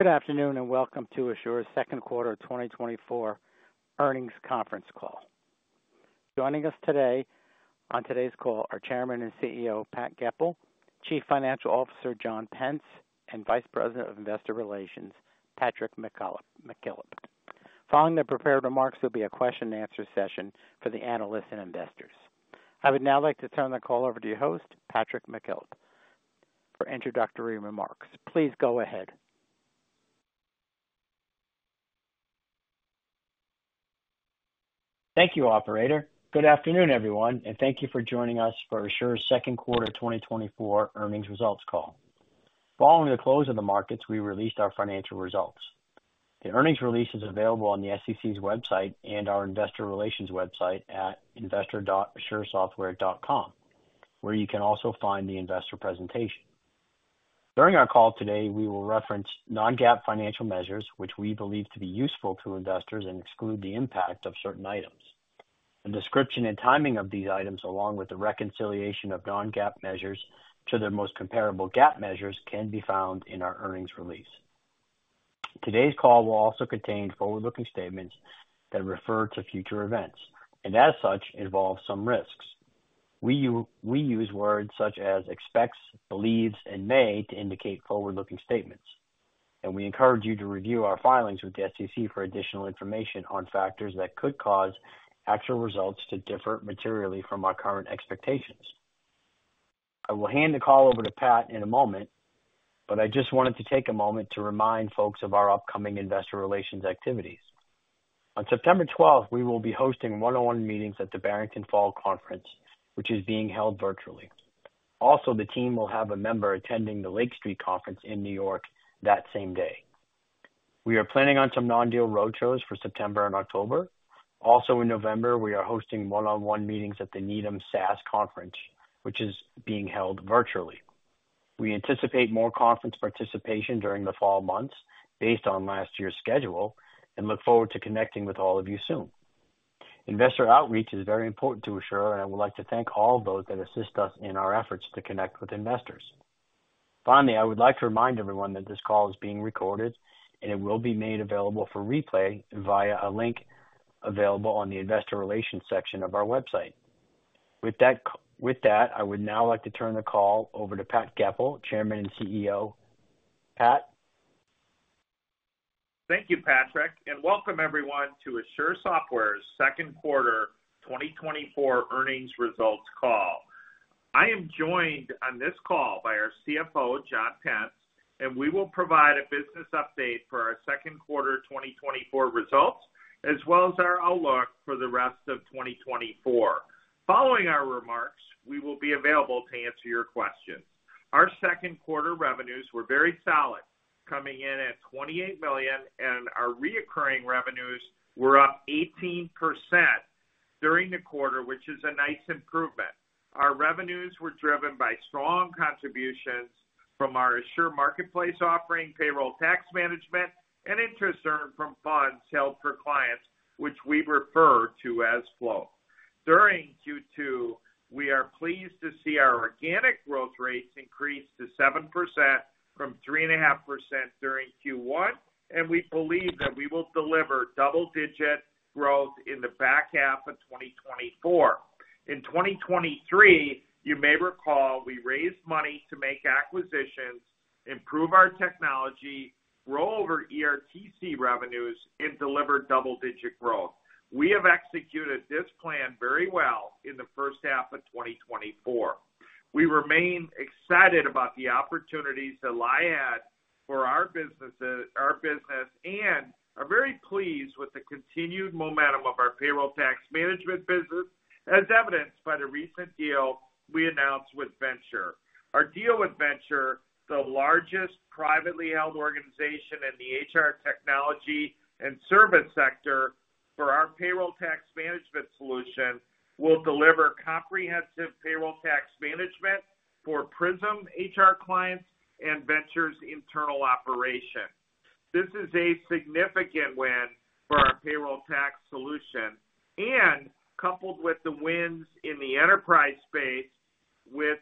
Good afternoon, and welcome to Asure's Q2 of 2024 earnings conference call. Joining us today on today's call are Chairman and CEO, Pat Goepel, Chief Financial Officer, John Pence, and Vice President of Investor Relations, Patrick McKillop. Following the prepared remarks, there'll be a question and answer session for the analysts and investors. I would now like to turn the call over to your host, Patrick McKillop, for introductory remarks. Please go ahead. Thank you, operator. Good afternoon, everyone, and thank you for joining us for Asure's Q2 2024 earnings results call. Following the close of the markets, we released our financial results. The earnings release is available on the SEC's website and our investor relations website at investor.asuresoftware.com, where you can also find the investor presentation. During our call today, we will reference non-GAAP financial measures, which we believe to be useful to investors and exclude the impact of certain items. The description and timing of these items, along with the reconciliation of non-GAAP measures to their most comparable GAAP measures, can be found in our earnings release. Today's call will also contain forward-looking statements that refer to future events and as such, involve some risks. We use words such as expects, believes, and may to indicate forward-looking statements, and we encourage you to review our filings with the SEC for additional information on factors that could cause actual results to differ materially from our current expectations. I will hand the call over to Pat in a moment, but I just wanted to take a moment to remind folks of our upcoming investor relations activities. On September twelfth, we will be hosting one-on-one meetings at the Barrington Fall Conference, which is being held virtually. Also, the team will have a member attending the Lake Street Conference in New York that same day. We are planning on some non-deal roadshows for September and October. Also, in November, we are hosting one-on-one meetings at the Needham SaaS Conference, which is being held virtually. We anticipate more conference participation during the fall months based on last year's schedule, and look forward to connecting with all of you soon. Investor outreach is very important to Asure, and I would like to thank all those that assist us in our efforts to connect with investors. Finally, I would like to remind everyone that this call is being recorded, and it will be made available for replay via a link available on the Investor Relations section of our website. With that, I would now like to turn the call over to Pat Goepel, Chairman and CEO. Pat? Thank you, Patrick, and welcome everyone to Asure Software's Q2 2024 earnings results call. I am joined on this call by our CFO, John Pence, and we will provide a business update for our Q2 2024 results, as well as our outlook for the rest of 2024. Following our remarks, we will be available to answer your questions. Our Q2 revenues were very solid, coming in at $28 million, and our recurring revenues were up 18% during the quarter, which is a nice improvement. Our revenues were driven by strong contributions from our Asure Marketplace offering, payroll tax management, and interest earned from funds held for clients, which we refer to as Float. During Q2, we are pleased to see our organic growth rates increase to 7% from 3.5% during Q1, and we believe that we will deliver double-digit growth in the back half of 2024. In 2023, you may recall, we raised money to make acquisitions, improve our technology, roll over ERTC revenues, and deliver double-digit growth. We have executed this plan very well in the first half of 2024. We remain excited about the opportunities that lie ahead for our businesses, our business, and are very pleased with the continued momentum of our payroll tax management business, as evidenced by the recent deal we announced with Vensure. Our deal with Vensure, the largest privately held organization in the HR technology and service sector for our payroll tax management solution, will deliver comprehensive payroll tax management for PrismHR clients and Vensure's internal operation. This is a significant win for our payroll tax solution and coupled with the wins in the enterprise space with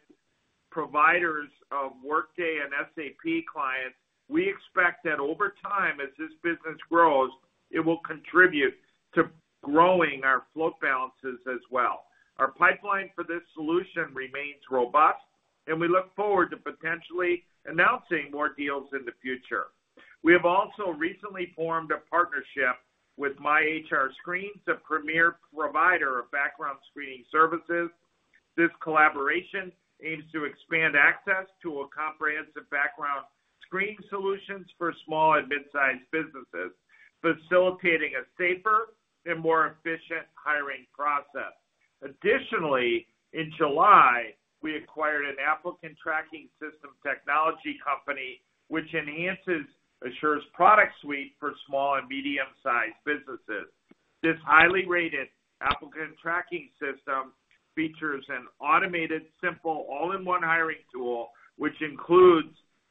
providers of Workday and SAP clients, we expect that over time, as this business grows, it will contribute to growing our float balances as well. Our pipeline for this solution remains robust, and we look forward to potentially announcing more deals in the future. We have also recently formed a partnership with MyHR Screens, a premier provider of background screening services. This collaboration aims to expand access to a comprehensive background screening solutions for small and mid-sized businesses, facilitating a safer and more efficient hiring process. Additionally, in July, we acquired an applicant tracking system technology company, which enhances Asure's product suite for small and medium-sized businesses. This highly rated applicant tracking system features an automated, simple, all-in-one hiring tool, which includes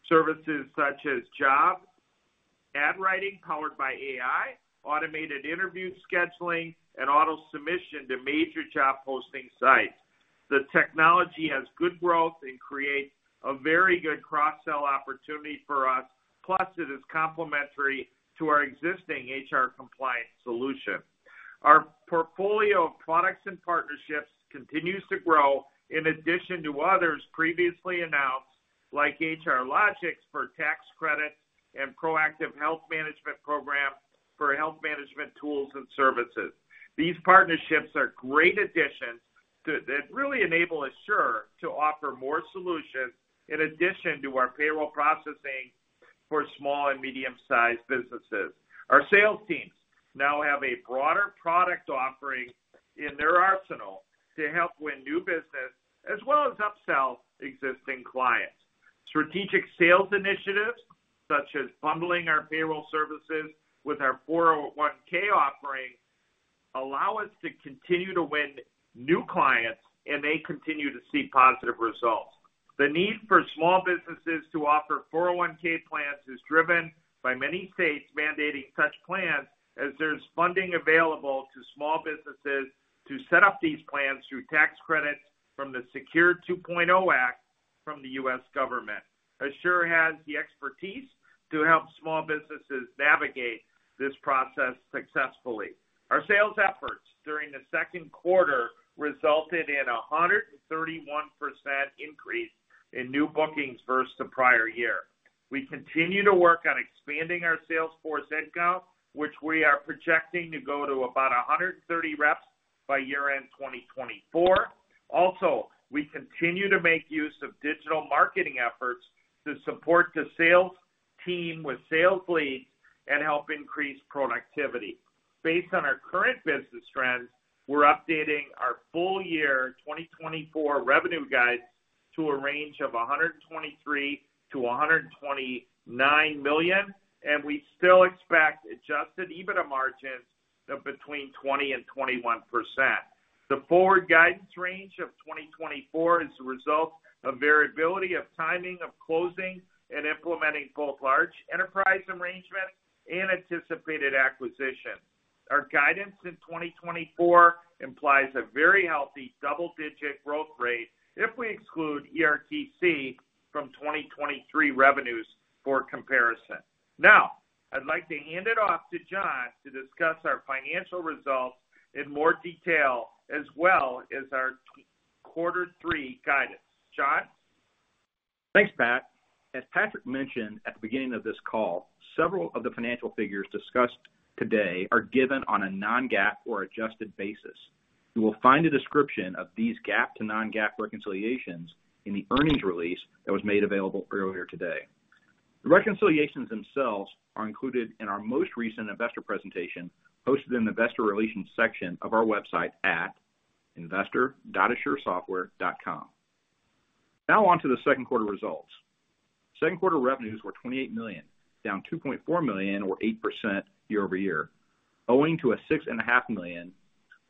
services such as job ad writing powered by AI, automated interview scheduling, and auto submission to major job posting sites. The technology has good growth and creates a very good cross-sell opportunity for us, plus it is complementary to our existing HR compliance solution. Our portfolio of products and partnerships continues to grow in addition to others previously announced, like HR Logics for tax credit, and proactive health management program for health management tools and services. These partnerships are great additions that really enable Asure to offer more solutions in addition to our payroll processing for small and medium-sized businesses. Our sales teams now have a broader product offering in their arsenal to help win new business, as well as upsell existing clients. Strategic sales initiatives, such as bundling our payroll services with our 401(k) offering, allow us to continue to win new clients, and they continue to see positive results. The need for small businesses to offer 401(k) plans is driven by many states mandating such plans, as there's funding available to small businesses to set up these plans through tax credits from the Secure 2.0 Act from the U.S. government. Asure has the expertise to help small businesses navigate this process successfully. Our sales efforts during the Q2 resulted in a 131% increase in new bookings versus the prior year. We continue to work on expanding our sales force headcount, which we are projecting to go to about 130 reps by year-end 2024. Also, we continue to make use of digital marketing efforts to support the sales team with sales leads and help increase productivity. Based on our current business trends, we're updating our full year 2024 revenue guidance to a range of $123 million-$129 million, and we still expect Adjusted EBITDA margins of between 20% and 21%. The forward guidance range of 2024 is the result of variability of timing, of closing and implementing both large enterprise arrangements and anticipated acquisitions. Our guidance in 2024 implies a very healthy double-digit growth rate if we exclude ERTC from 2023 revenues for comparison. Now, I'd like to hand it off to John to discuss our financial results in more detail, as well as our Q3 guidance. John? Thanks, Pat. As Patrick mentioned at the beginning of this call, several of the financial figures discussed today are given on a non-GAAP or adjusted basis. You will find a description of these GAAP to non-GAAP reconciliations in the earnings release that was made available earlier today. The reconciliations themselves are included in our most recent investor presentation, posted in the investor relations section of our website at investor.asuresoftware.com. Now on to the Q2 results. Q2 revenues were $28 million, down $2.4 million or 8% year-over-year, owing to a $6.5 million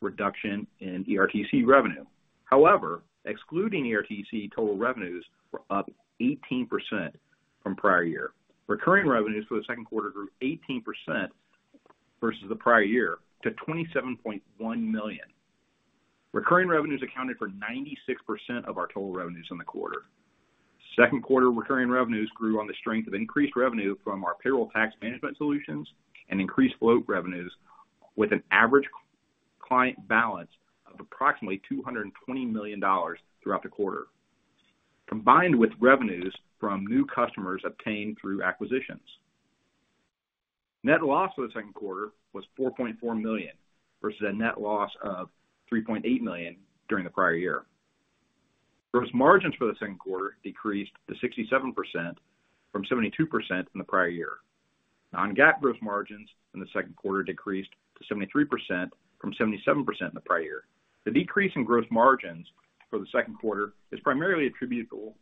reduction in ERTC revenue. However, excluding ERTC, total revenues were up 18% from prior year. Recurring revenues for the Q2 grew 18% versus the prior year, to $27.1 million. Recurring revenues accounted for 96% of our total revenues in the quarter. Q2 recurring revenues grew on the strength of increased revenue from our payroll tax management solutions and increased float revenues, with an average client balance of approximately $220 million throughout the quarter, combined with revenues from new customers obtained through acquisitions. Net loss for the Q2 was $4.4 million, versus a net loss of $3.8 million during the prior year. Gross margins for the Q2 decreased to 67% from 72% in the prior year. Non-GAAP gross margins in the Q2 decreased to 73% from 77% in the prior year. The decrease in gross margins for the Q2 is primarily attributable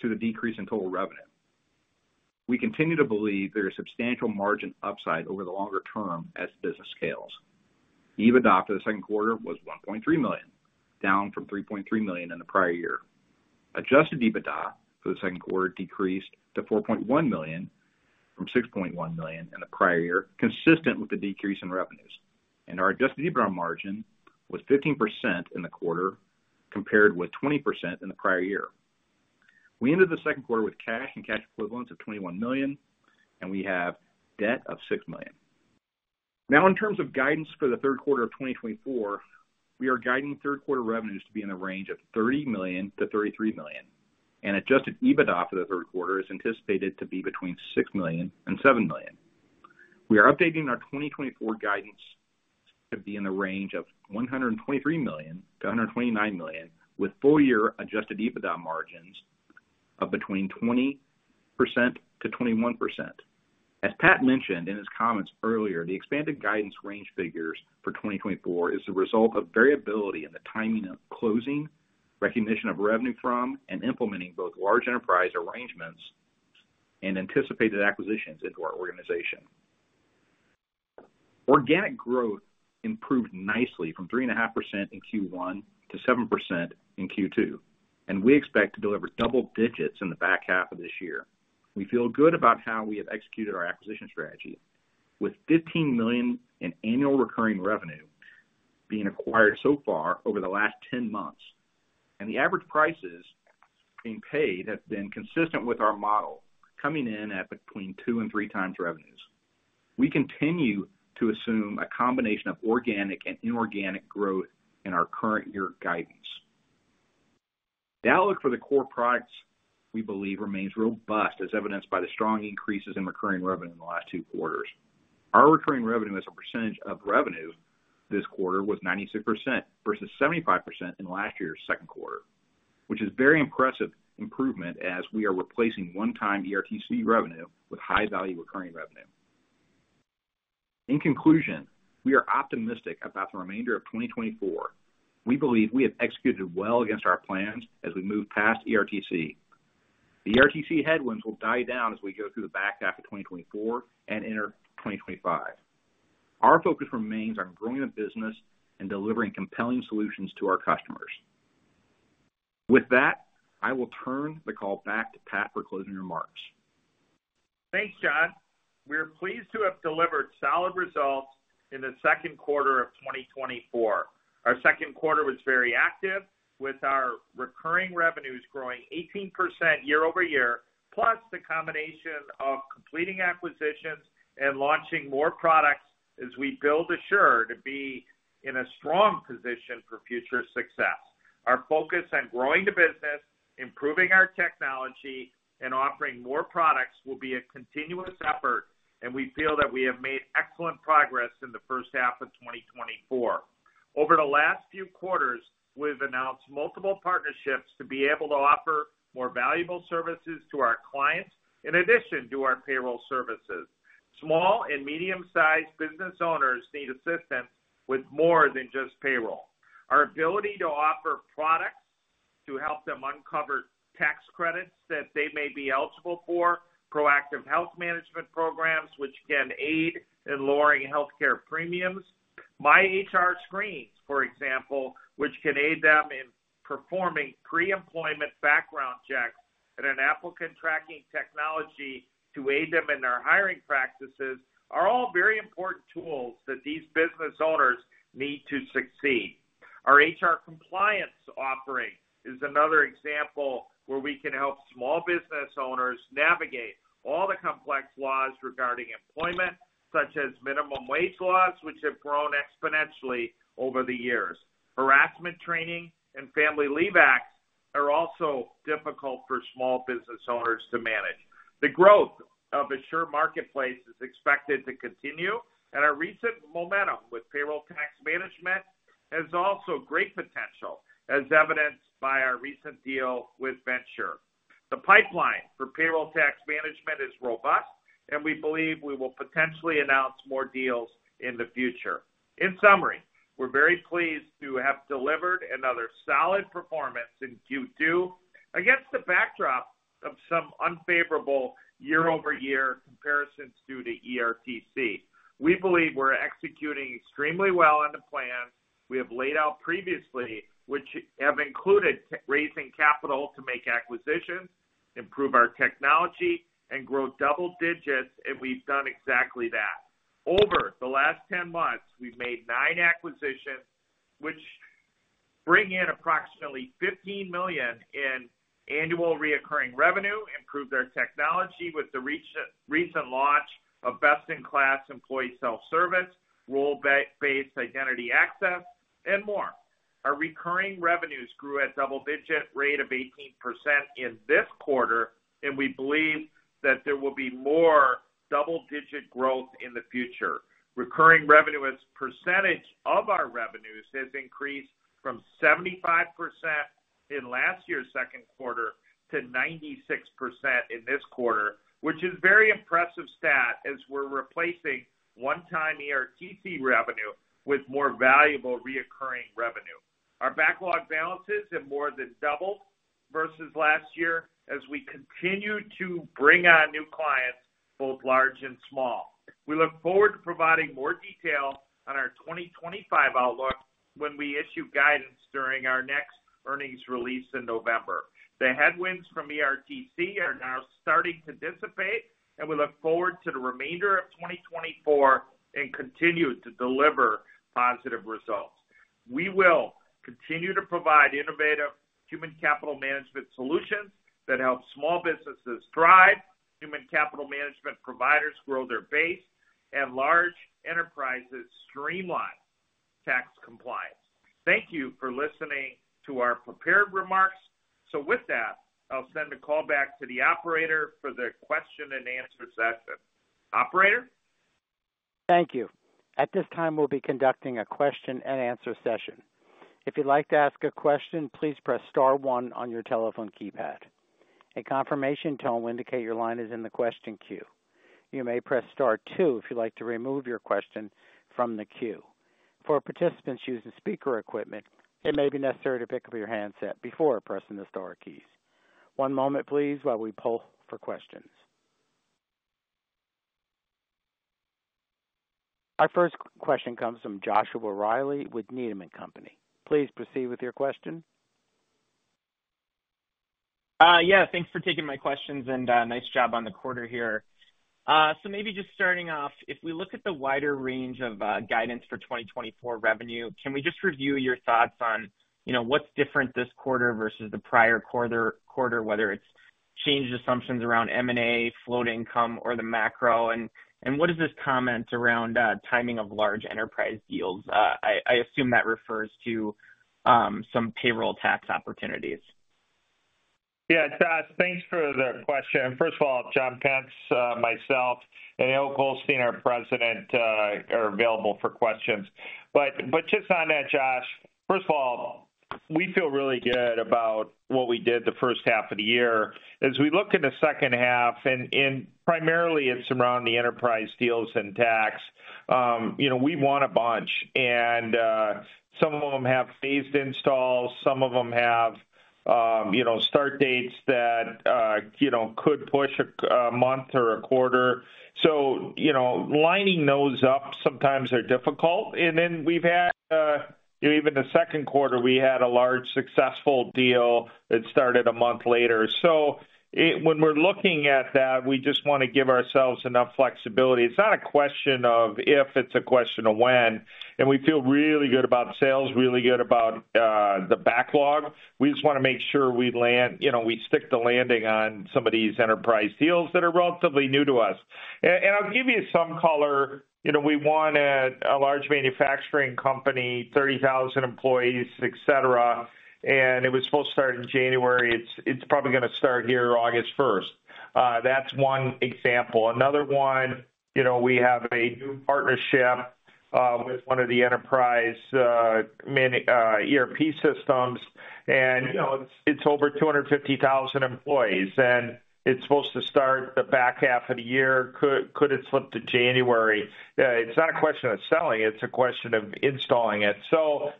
to the decrease in total revenue. We continue to believe there is substantial margin upside over the longer term as the business scales. EBITDA for the Q2 was $1.3 million, down from $3.3 million in the prior year. Adjusted EBITDA for the Q2 decreased to $4.1 million from $6.1 million in the prior year, consistent with the decrease in revenues, and our adjusted EBITDA margin was 15% in the quarter, compared with 20% in the prior year. We ended the Q2 with cash and cash equivalents of $21 million, and we have debt of $6 million. Now, in terms of guidance for the Q3 of 2024, we are guiding Q3 revenues to be in the range of $30 million to $33 million, and adjusted EBITDA for the Q3 is anticipated to be between $6 million and $7 million. We are updating our 2024 guidance to be in the range of $123 million-$129 million, with full year Adjusted EBITDA margins of between 20%-21%. As Pat mentioned in his comments earlier, the expanded guidance range figures for 2024 is the result of variability in the timing of closing, recognition of revenue from, and implementing both large enterprise arrangements and anticipated acquisitions into our organization. Organic growth improved nicely from 3.5% in Q1 to 7% in Q2, and we expect to deliver double digits in the back half of this year. We feel good about how we have executed our acquisition strategy.... with $15 million in annual recurring revenue being acquired so far over the last 10 months, and the average prices being paid have been consistent with our model, coming in at between 2 and 3 times revenues. We continue to assume a combination of organic and inorganic growth in our current year guidance. The outlook for the core products, we believe, remains robust, as evidenced by the strong increases in recurring revenue in the last 2 quarters. Our recurring revenue as a percentage of revenue this quarter was 96% versus 75% in last year's Q2, which is very impressive improvement as we are replacing one-time ERTC revenue with high-value recurring revenue. In conclusion, we are optimistic about the remainder of 2024. We believe we have executed well against our plans as we move past ERTC. The ERTC headwinds will die down as we go through the back half of 2024 and enter 2025. Our focus remains on growing the business and delivering compelling solutions to our customers. With that, I will turn the call back to Pat for closing remarks. Thanks, John. We are pleased to have delivered solid results in the Q2 of 2024. Our Q2 was very active, with our recurring revenues growing 18% year-over-year, plus the combination of completing acquisitions and launching more products as we build Asure to be in a strong position for future success. Our focus on growing the business, improving our technology, and offering more products will be a continuous effort, and we feel that we have made excellent progress in the first half of 2024. Over the last few quarters, we've announced multiple partnerships to be able to offer more valuable services to our clients in addition to our payroll services. Small and medium-sized business owners need assistance with more than just payroll. Our ability to offer products to help them uncover tax credits that they may be eligible for, proactive health management programs, which can aid in lowering healthcare premiums, MyHR Screens, for example, which can aid them in performing pre-employment background checks and an applicant tracking technology to aid them in their hiring practices, are all very important tools that these business owners need to succeed. Our HR compliance offering is another example where we can help small business owners navigate all the complex laws regarding employment, such as minimum wage laws, which have grown exponentially over the years. Harassment training and family leave acts are also difficult for small business owners to manage. The growth of Asure Marketplace is expected to continue, and our recent momentum with payroll tax management has also great potential, as evidenced by our recent deal with Venture. The pipeline for payroll tax management is robust, and we believe we will potentially announce more deals in the future. In summary, we're very pleased to have delivered another solid performance in Q2 against the backdrop of some unfavorable year-over-year comparisons due to ERTC. We believe we're executing extremely well on the plan we have laid out previously, which have included raising capital to make acquisitions, improve our technology, and grow double digits, and we've done exactly that. Over the last 10 months, we've made 9 acquisitions, which bring in approximately $15 million in annual recurring revenue, improved our technology with the recent launch of best-in-class employee self-service, role-based identity access, and more. Our recurring revenues grew at double-digit rate of 18% in this quarter, and we believe that there will be more double-digit growth in the future. Recurring revenue, as percentage of our revenues, has increased from 75% in last year's Q2 to 96% in this quarter, which is very impressive stat as we're replacing one-time ERTC revenue with more valuable recurring revenue. Our backlog balances have more than doubled versus last year as we continue to bring on new clients, both large and small. We look forward to providing more detail on our 2025 outlook when we issue guidance during our next earnings release in November. The headwinds from ERTC are now starting to dissipate, and we look forward to the remainder of 2024 and continue to deliver positive results. We will continue to provide innovative human capital management solutions that help small businesses thrive, human capital management providers grow their base, and large enterprises streamline tax compliance. Thank you for listening to our prepared remarks. With that, I'll send the call back to the operator for the question and answer session. Operator? Thank you. At this time, we'll be conducting a question and answer session. If you'd like to ask a question, please press star one on your telephone keypad. A confirmation tone will indicate your line is in the question queue. You may press star two if you'd like to remove your question from the queue. For participants using speaker equipment, it may be necessary to pick up your handset before pressing the star keys. One moment please, while we poll for questions. Our first question comes from Joshua Riley with Needham & Company. Please proceed with your question.... Yeah, thanks for taking my questions, and nice job on the quarter here. So maybe just starting off, if we look at the wider range of guidance for 2024 revenue, can we just review your thoughts on, you know, what's different this quarter versus the prior quarter, whether it's changed assumptions around M&A, float income, or the macro? And what is this comment around timing of large enterprise deals? I assume that refers to some payroll tax opportunities. Yeah, Josh, thanks for the question. First of all, John Pence, myself, and Eyal Goldstein, our president, are available for questions. But just on that, Josh, first of all, we feel really good about what we did the first half of the year. As we look in the second half, and primarily it's around the enterprise deals and tax, you know, we want a bunch, and some of them have phased installs, some of them have, you know, start dates that, you know, could push a month or a quarter. So, you know, lining those up sometimes are difficult. And then we've had, even the Q2, we had a large successful deal that started a month later. So when we're looking at that, we just wanna give ourselves enough flexibility. It's not a question of if, it's a question of when. We feel really good about sales, really good about the backlog. We just wanna make sure we land, you know, we stick the landing on some of these enterprise deals that are relatively new to us. And I'll give you some color. You know, we won a large manufacturing company, 30,000 employees, et cetera, and it was supposed to start in January. It's probably gonna start here August first. That's one example. Another one, you know, we have a new partnership with one of the enterprise mini ERP systems, and, you know, it's over 250,000 employees, and it's supposed to start the back half of the year. Could it slip to January? It's not a question of selling, it's a question of installing it. So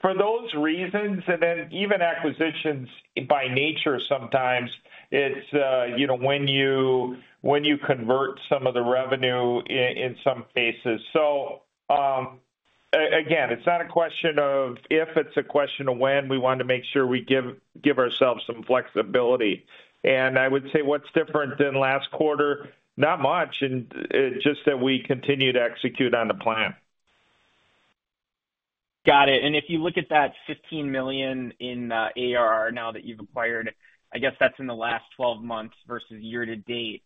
for those reasons, and then even acquisitions, by nature, sometimes it's, you know, when you convert some of the revenue in some cases. So, again, it's not a question of if, it's a question of when. We want to make sure we give ourselves some flexibility. And I would say, what's different than last quarter? Not much, and, just that we continue to execute on the plan. Got it. And if you look at that $15 million in ARR, now that you've acquired, I guess that's in the last 12 months versus year to date.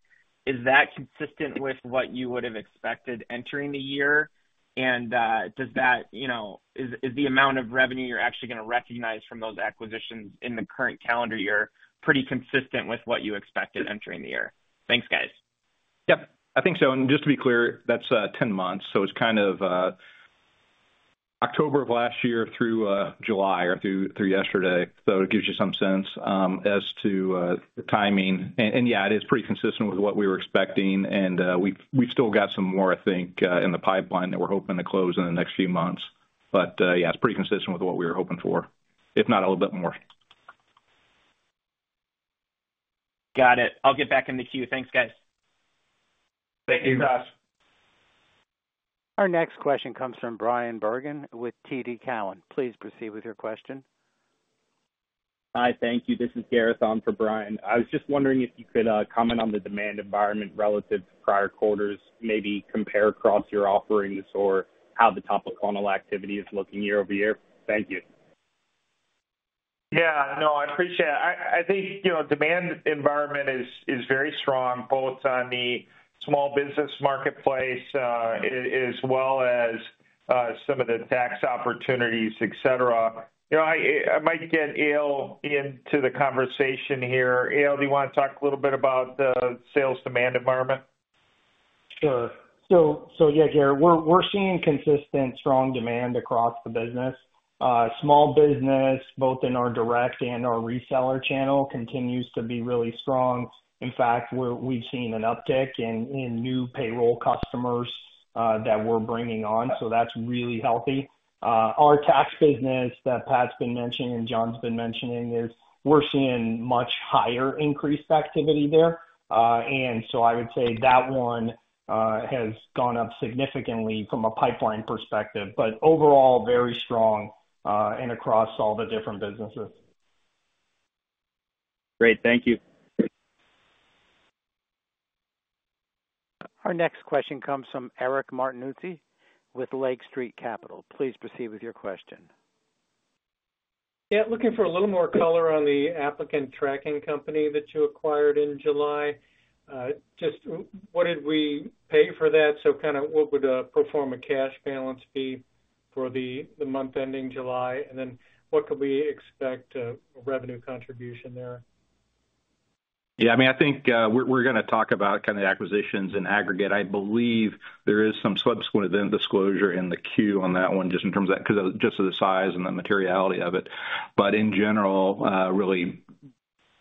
Is that consistent with what you would have expected entering the year? And, does that, you know... Is, is the amount of revenue you're actually gonna recognize from those acquisitions in the current calendar year, pretty consistent with what you expected entering the year? Thanks, guys. Yep, I think so. And just to be clear, that's 10 months, so it's kind of October of last year through July or through yesterday. So it gives you some sense as to the timing. And yeah, it is pretty consistent with what we were expecting, and we've still got some more, I think, in the pipeline that we're hoping to close in the next few months. But yeah, it's pretty consistent with what we were hoping for, if not a little bit more. Got it. I'll get back in the queue. Thanks, guys. Thank you, Josh. Our next question comes from Bryan Bergin with TD Cowen. Please proceed with your question. Hi, thank you. This is Gareth on for Brian. I was just wondering if you could comment on the demand environment relative to prior quarters, maybe compare across your offerings or how the top of funnel activity is looking year over year? Thank you. Yeah, no, I appreciate it. I think, you know, demand environment is very strong, both on the small business marketplace, as well as some of the tax opportunities, et cetera. You know, I might get Eyal into the conversation here. Eyal, do you want to talk a little bit about the sales demand environment? Sure. So, yeah, Gareth, we're seeing consistent, strong demand across the business. Small business, both in our direct and our reseller channel, continues to be really strong. In fact, we've seen an uptick in new payroll customers that we're bringing on, so that's really healthy. Our tax business that Pat's been mentioning and John's been mentioning is; we're seeing much higher increased activity there. And so I would say that one has gone up significantly from a pipeline perspective, but overall, very strong, and across all the different businesses. Great. Thank you. Oursnext question comes from Eric Martinuzzi with Lake Street Capital. Please proceed with your question. Yeah, looking for a little more color on the applicant tracking company that you acquired in July. Just what did we pay for that? So kind of what would a pro forma cash balance be for the month ending July, and then what could we expect, revenue contribution there? Yeah, I mean, I think, we're gonna talk about kind of the acquisitions in aggregate. I believe there is some subsequent event disclosure in the queue on that one, just in terms of that, 'cause just of the size and the materiality of it. But in general, really,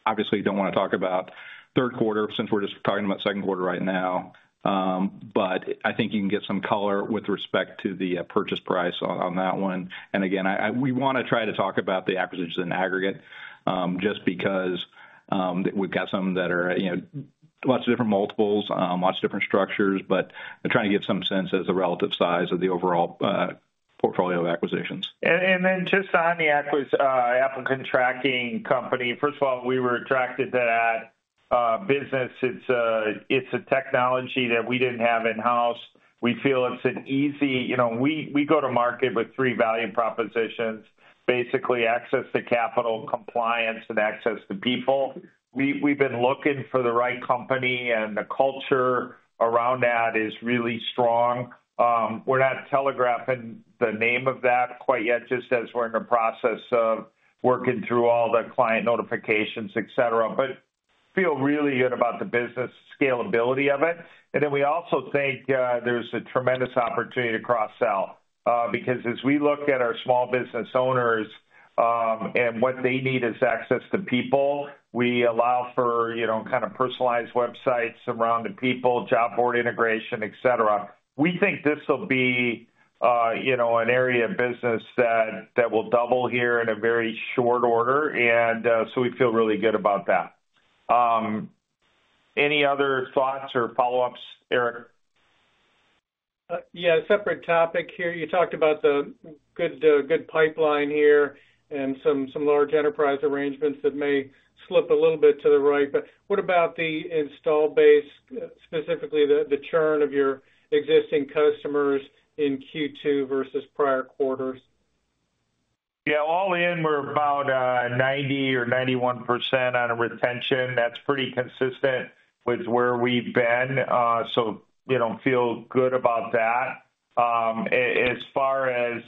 obviously don't want to talk about Q3 since we're just talking about Q2 right now. But I think you can get some color with respect to the purchase price on that one. And again, we wanna try to talk about the acquisitions in aggregate, just because, we've got some that are, you know, lots of different multiples, lots of different structures, but trying to get some sense as to the relative size of the overall acquisitions portfolio acquisitions. Then just on the acquisition, applicant tracking company, first of all, we were attracted to that business. It's a technology that we didn't have in-house. We feel it's an easy, you know, we go to market with three value propositions, basically, access to capital, compliance, and access to people. We've been looking for the right company, and the culture around that is really strong. We're not telegraphing the name of that quite yet, just as we're in the process of working through all the client notifications, et cetera. But feel really good about the business scalability of it. And then we also think there's a tremendous opportunity to cross-sell, because as we look at our small business owners, and what they need is access to people, we allow for, you know, kind of personalized websites around the people, job board integration, et cetera. We think this will be, you know, an area of business that will double here in a very short order, and so we feel really good about that. Any other thoughts or follow-ups, Eric? Yeah, a separate topic here. You talked about the good pipeline here and some large enterprise arrangements that may slip a little bit to the right, but what about the installed base, specifically the churn of your existing customers in Q2 versus prior quarters? Yeah, all in, we're about 90% or 91% on a retention. That's pretty consistent with where we've been, so, you know, feel good about that. As far as,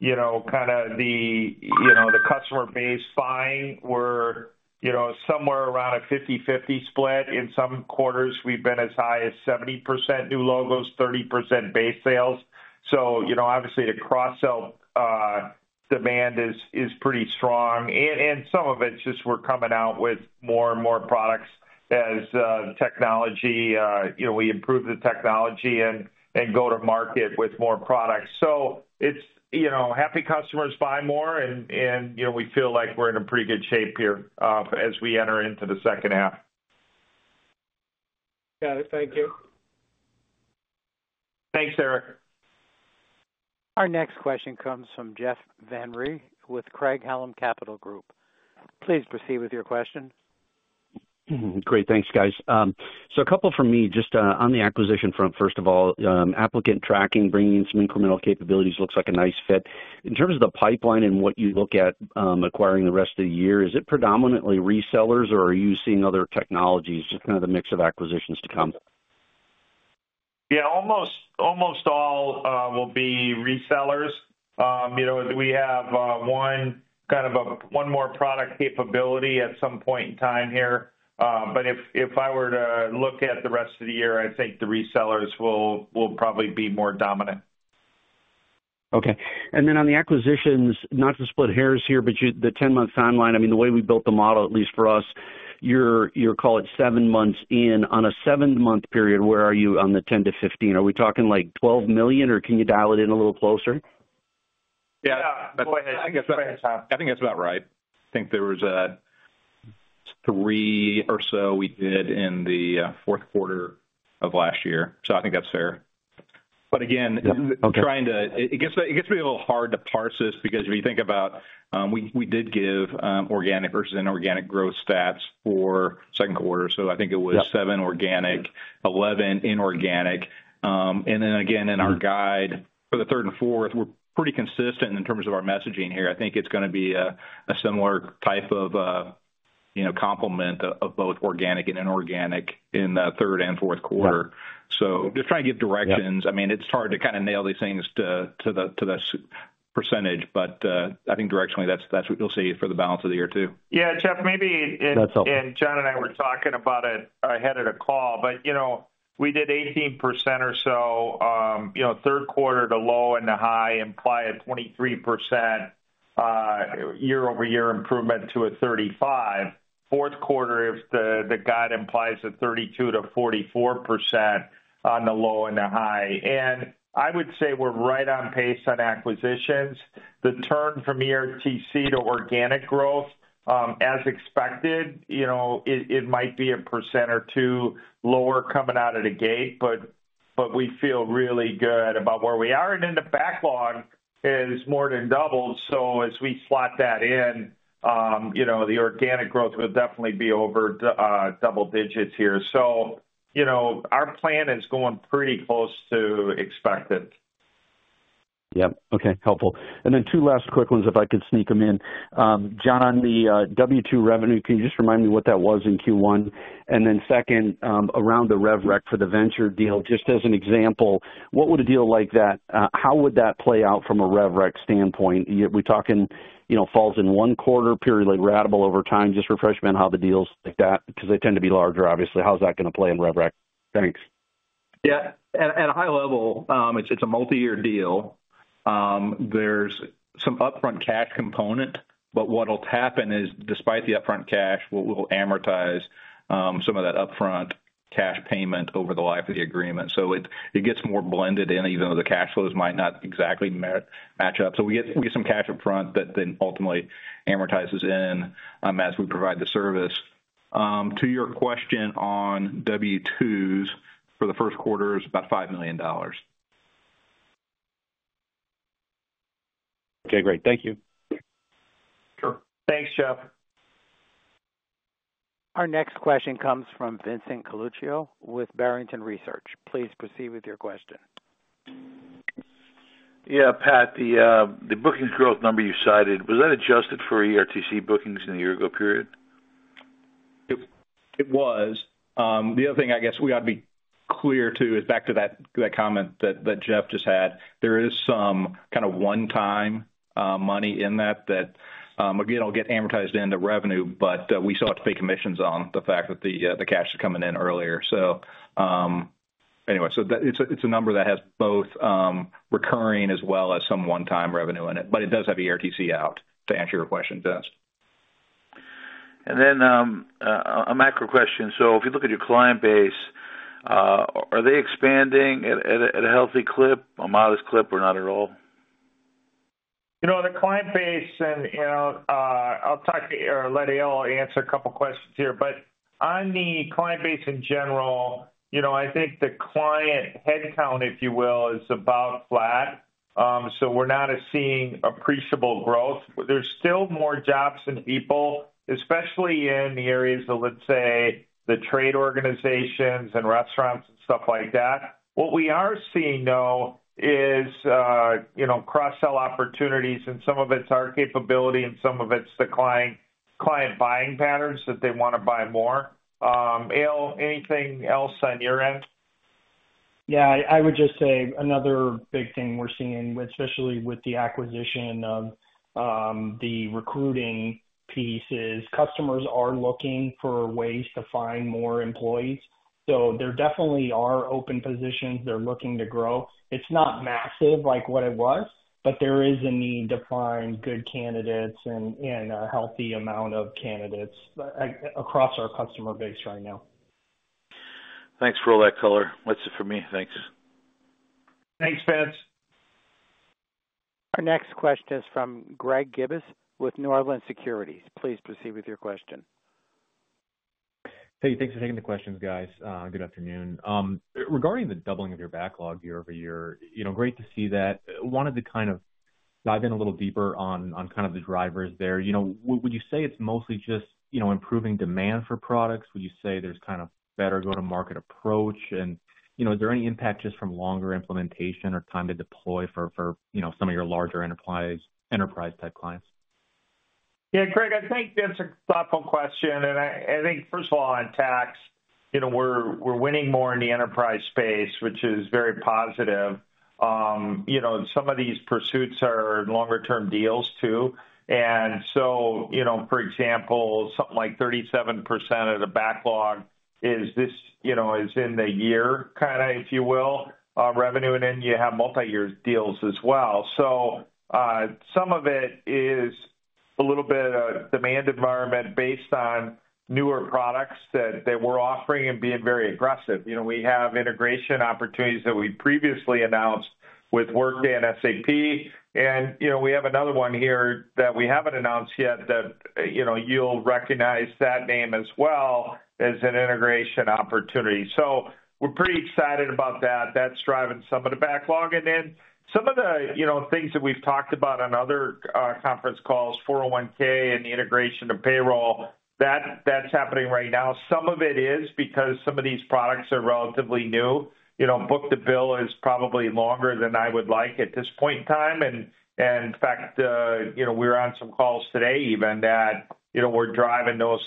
you know, kinda the, you know, the customer base buying, we're, you know, somewhere around a 50/50 split. In some quarters, we've been as high as 70% new logos, 30% base sales. So, you know, obviously, the cross-sell demand is pretty strong. And some of it's just we're coming out with more and more products as the technology, you know, we improve the technology and go to market with more products. So it's, you know, happy customers buy more and, you know, we feel like we're in a pretty good shape here as we enter into the second half. Got it. Thank you. Thanks, Eric. Our next question comes from Jeff Van Rhee with Craig-Hallum Capital Group. Please proceed with your question. Great. Thanks, guys. So a couple from me, just, on the acquisition front, first of all, applicant tracking, bringing in some incremental capabilities looks like a nice fit. In terms of the pipeline and what you look at, acquiring the rest of the year, is it predominantly resellers, or are you seeing other technologies? Just kind of the mix of acquisitions to come. Yeah, almost all will be resellers. You know, we have one kind of one more product capability at some point in time here. But if I were to look at the rest of the year, I think the resellers will probably be more dominant. Okay. And then on the acquisitions, not to split hairs here, but you—the 10-month timeline, I mean, the way we built the model, at least for us, you're call it 7 months in. On a 7-month period, where are you on the $10-$15 million? Are we talking, like, $12 million, or can you dial it in a little closer? Yeah. Go ahead. I think that's about... I think that's about right. I think there was three or so we did in the Q4 of last year, so I think that's fair. But again- Okay. Trying to... It gets to be a little hard to pass this because if you think about, we did give organic versus inorganic growth stats for Q2, so I think it was- Yep... 7 organic, 11 inorganic. And then again, in our guide for the third and fourth, we're pretty consistent in terms of our messaging here. I think it's gonna be a similar type of, you know, complement of both organic and inorganic in the Q3 and Q4. Yep. So just trying to give directions. Yep. I mean, it's hard to kinda nail these things to the specific percentage, but I think directionally, that's what you'll see for the balance of the year, too. Yeah, Jeff, maybe it- That's helpful. John and I were talking about it ahead of the call, but, you know, we did 18% or so, you know, Q3, the low and the high, imply a 23% year-over-year improvement to a 35. Q4, if the guide implies a 32%-44% on the low and the high. And I would say we're right on pace on acquisitions. The turn from ERTC to organic growth, as expected, you know, it might be 1% or 2% lower coming out of the gate, but we feel really good about where we are. And then the backlog has more than doubled, so as we slot that in, you know, the organic growth will definitely be over double digits here. So, you know, our plan is going pretty close to expected. Yep. Okay. Helpful. And then two last quick ones, if I could sneak them in. John, the W-2 revenue, can you just remind me what that was in Q1? And then second, around the rev rec for the Venture deal, just as an example, what would a deal like that, how would that play out from a rev rec standpoint? Are we talking, you know, falls in one quarter, period, like, ratable over time? Just refresh me on how the deals like that, because they tend to be larger, obviously. How is that gonna play in rev rec? Thanks. Yeah. At a high level, it's a multi-year deal. There's some upfront cash component, but what'll happen is, despite the upfront cash, we'll amortize some of that upfront cash payment over the life of the agreement. So it gets more blended in, even though the cash flows might not exactly match up. So we get some cash upfront that then ultimately amortizes in as we provide the service. To your question on W-2s, for the Q1, it's about $5 million. Okay, great. Thank you. Sure. Thanks, Jeff. Our next question comes from Vincent Colicchio with Barrington Research. Please proceed with your question. Yeah, Pat, the bookings growth number you cited, was that adjusted for ERTC bookings in the year-ago period? It was. The other thing I guess we ought to be clear, too, is back to that comment that Jeff just had. There is some kind of one-time money in that, again, it'll get amortized into revenue, but we still have to pay commissions on the fact that the cash is coming in earlier. So, anyway, so that, it's a number that has both recurring as well as some one-time revenue in it. But it does have ERTC out, to answer your question, Vince. And then, a macro question: so if you look at your client base, are they expanding at a healthy clip, a modest clip, or not at all? You know, the client base and, you know, I'll talk or let Eyal answer a couple questions here. But on the client base in general, you know, I think the client headcount, if you will, is about flat. So we're not seeing appreciable growth. There's still more jobs than people, especially in the areas of, let's say, the trade organizations and restaurants and stuff like that. What we are seeing, though, is, you know, cross-sell opportunities, and some of it's our capability, and some of it's the client, client buying patterns, that they want to buy more. Eyal, anything else on your end? Yeah, I would just say another big thing we're seeing, especially with the acquisition of the recruiting piece, is customers are looking for ways to find more employees. So there definitely are open positions. They're looking to grow. It's not massive like what it was, but there is a need to find good candidates and a healthy amount of candidates across our customer base right now. Thanks for all that color. That's it for me. Thanks. Thanks, Vince. Our next question is from Greg Gibbas with Northland Securities. Please proceed with your question. Hey, thanks for taking the questions, guys. Good afternoon. Regarding the doubling of your backlog year over year, you know, great to see that. Wanted to kind of dive in a little deeper on kind of the drivers there. You know, would you say it's mostly just, you know, improving demand for products? Would you say there's kind of better go-to-market approach? And, you know, are there any impacts just from longer implementation or time to deploy for, you know, some of your larger enterprise, enterprise-type clients? Yeah, Greg, I think that's a thoughtful question, and I, I think, first of all, on tax, you know, we're, we're winning more in the enterprise space, which is very positive. You know, and some of these pursuits are longer-term deals, too. And so, you know, for example, something like 37% of the backlog is this, you know, is in the year, kind of, if you will, revenue, and then you have multiyear deals as well. So, some of it is a little bit of demand environment based on newer products that, that we're offering and being very aggressive. You know, we have integration opportunities that we previously announced with Workday and SAP, and, you know, we have another one here that we haven't announced yet, that, you know, you'll recognize that name as well, as an integration opportunity. So we're pretty excited about that. That's driving some of the backlog. And then some of the, you know, things that we've talked about on other, conference calls, 401(k) and the integration of payroll, that's happening right now. Some of it is because some of these products are relatively new. You know, Book-to-bill is probably longer than I would like at this point in time. And in fact, you know, we're on some calls today, even that, you know, we're driving those,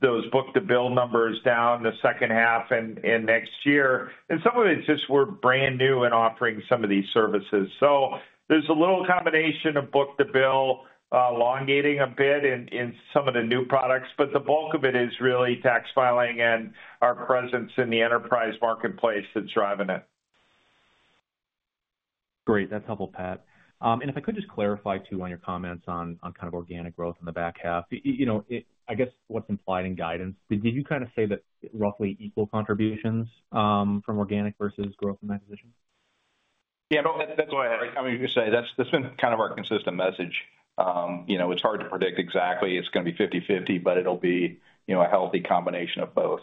those Book-to-bill numbers down the second half and next year. And some of it's just we're brand new in offering some of these services. So there's a little combination of Book-to-bill, elongating a bit in some of the new products, but the bulk of it is really tax filing and our presence in the enterprise marketplace that's driving it. Great. That's helpful, Pat. And if I could just clarify, too, on your comments on, on kind of organic growth in the back half. You know, I guess what's implied in guidance, did you kind of say that roughly equal contributions, from organic versus growth in acquisitions? Yeah, no, that's what I, I mean, you say, that's, that's been kind of our consistent message. You know, it's hard to predict exactly. It's going to be 50/50, but it'll be, you know, a healthy combination of both.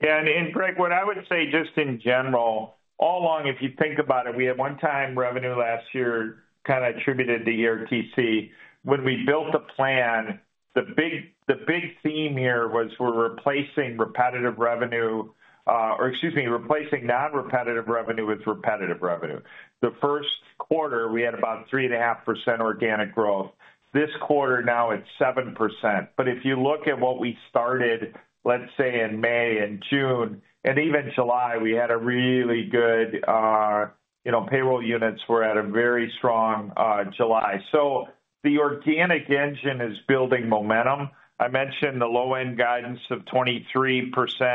And Greg, what I would say just in general, all along, if you think about it, we had one-time revenue last year, kind of attributed to ERTC. When we built the plan, the big, the big theme here was we're replacing repetitive revenue, or excuse me, replacing non-repetitive revenue with repetitive revenue. The Q1, we had about 3.5% organic growth. This quarter, now it's 7%. But if you look at what we started, let's say, in May and June, and even July, we had a really good, you know, payroll units were at a very strong July. So the organic engine is building momentum. I mentioned the low-end guidance of 23%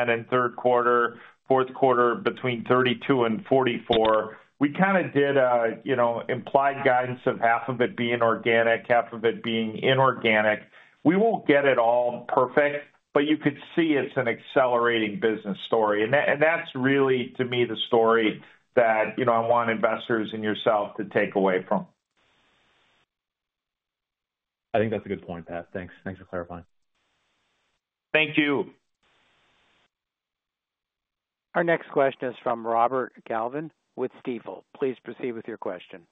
in Q3, Q4 between 32% and 44%. We kind of did, you know, implied guidance of half of it being organic, half of it being inorganic. We won't get it all perfect, but you could see it's an accelerating business story, and that, and that's really, to me, the story that, you know, I want investors and yourself to take away from.... I think that's a good point, Pat. Thanks. Thanks for clarifying. Thank you. Our next question is from Robert Galvin with Stifel. Please proceed with your question.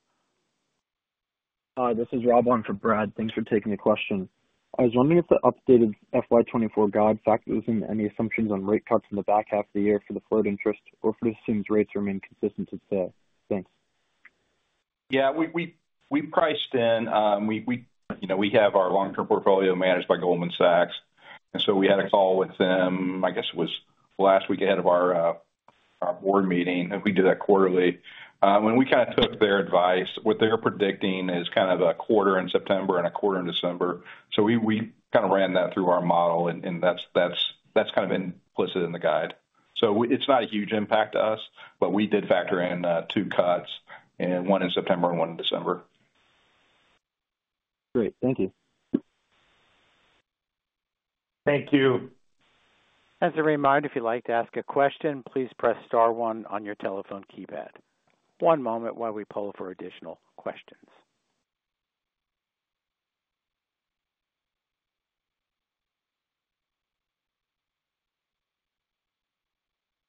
Hi, this is Rob, one for Brad. Thanks for taking the question. I was wondering if the updated FY 2024 guide factors in any assumptions on rate cuts in the back half of the year for the float interest, or if it assumes rates remain consistent to today? Thanks. Yeah, we priced in, you know, we have our long-term portfolio managed by Goldman Sachs, and so we had a call with them, I guess it was last week ahead of our board meeting, and we do that quarterly. When we kind of took their advice, what they're predicting is kind of a quarter in September and a quarter in December. So we kind of ran that through our model, and that's kind of been implicit in the guide. So we—it's not a huge impact to us, but we did factor in two cuts, and one in September and one in December. Great. Thank you. Thank you. As a reminder, if you'd like to ask a question, please press star one on your telephone keypad. One moment while we poll for additional questions.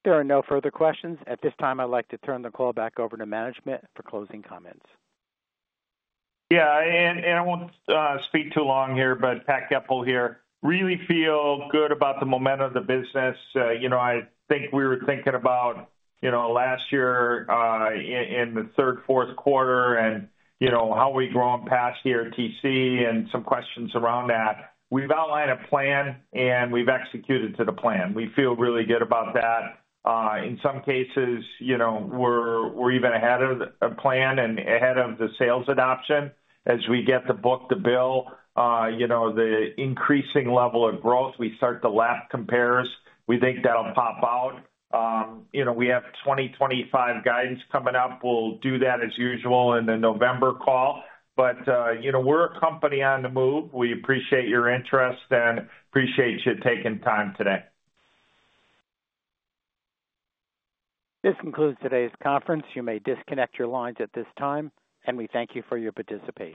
There are no further questions. At this time, I'd like to turn the call back over to management for closing comments. Yeah, and I won't speak too long here, but Pat Goepel here. Really feel good about the momentum of the business. You know, I think we were thinking about, you know, last year, in the third, Q4, and, you know, how we've grown past ERTC and some questions around that. We've outlined a plan, and we've executed to the plan. We feel really good about that. In some cases, you know, we're even ahead of the plan and ahead of the sales adoption. As we get to book-to-bill, you know, the increasing level of growth, we start the lap compares. We think that'll pop out. You know, we have 2025 guidance coming up. We'll do that as usual in the November call. But, you know, we're a company on the move. We appreciate your interest and appreciate you taking time today. This concludes today's conference. You may disconnect your lines at this time, and we thank you for your participation.